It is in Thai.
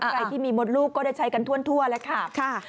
ใครที่มีมดลูกก็ได้ใช้กันทั่วแล้วค่ะ